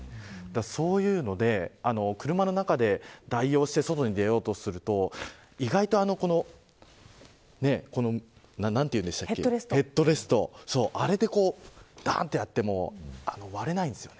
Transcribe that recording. そういうので、車の中で代用して外に出ようとするとヘッドレストでがーんってやっても割れないんです。